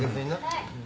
はい。